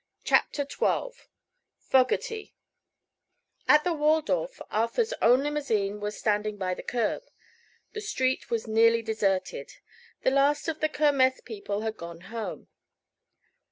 CHAPTER XII FOGERTY At the Waldorf Arthur's own limousine was standing by the curb. The street was nearly deserted. The last of the Kermess people had gone home.